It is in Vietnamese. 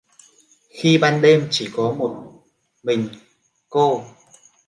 Khi ban đêm chỉ có một mình cô